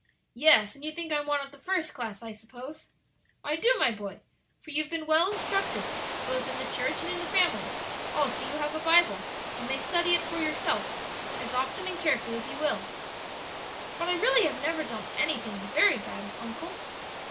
'" "Yes; and you think I'm one of the first class, I suppose?" "I do, my boy; for you have been well instructed, both in the church and in the family; also you have a Bible, and may study it for yourself as often and carefully as you will." "But I really have never done anything very bad, uncle."